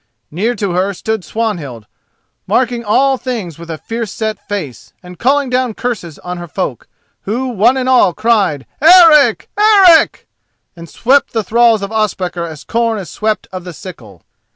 Near to her stood Swanhild, marking all things with a fierce set face, and calling down curses on her folk, who one and all cried "Eric! Eric!" and swept the thralls of Ospakar as corn is swept of the sickle.